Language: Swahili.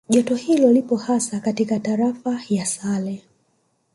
Joto hilo lipo hasa katika Tarafa ya Sale